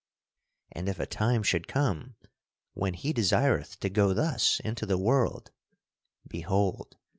"And if a time should come when he desireth to go thus into the world behold!